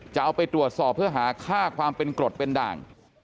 จะเอาไปตรวจสอบเพื่อหาค่าความเป็นกรดเป็นด่าง